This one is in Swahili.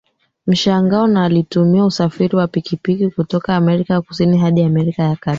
Mshangao na alitumia usafiri wa pikipiki kutoka Amerika ya Kusini hadi Amerika ya kati